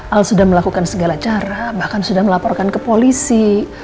al sudah melakukan segala cara bahkan sudah melaporkan ke polisi